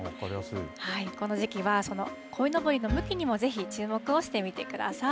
この時期はそのこいのぼりの向きにもぜひ注目をしてみてください。